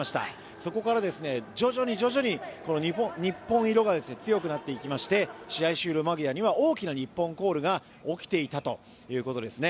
そこから徐々に日本色が強くなっていきまして試合終了間際には大きな日本コールが起きていたということですね。